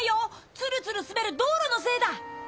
ツルツル滑る道路のせいだ！